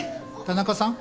田中さん。